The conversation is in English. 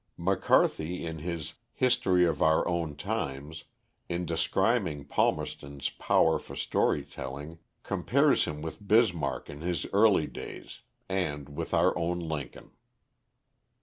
M^cCarthy, in his "History of Our Own Times", in describing Palmerston's power for story telling compares him with Bismark in his early days, and with our own Lincoln.